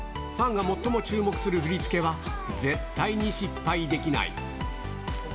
ファンが最も注目する振り付けは絶対に失敗できない。